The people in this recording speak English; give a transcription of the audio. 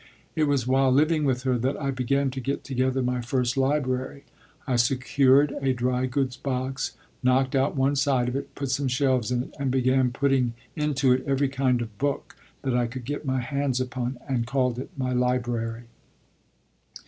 It was while living with her that I began to get together my first library. I secured a dry goods box, knocked out one side of it, put some shelves in it, and began putting into it every kind of book that I could get my hands upon, and called it "my library."